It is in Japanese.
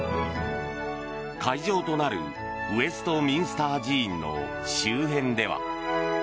会場となるウェストミンスター寺院の周辺では。